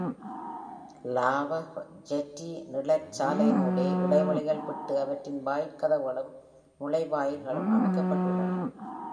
Lafayette நிழற்சாலையினூடே இடைவெளிகள் விட்டு அவற்றின் வாயிற்கதவுகளும் நுழைவுவாயில்களும் அமைக்கப்பட்டுள்ளன.